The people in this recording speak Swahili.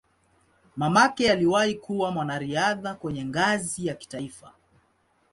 Mamake aliwahi kuwa mwanariadha kwenye ngazi ya kitaifa.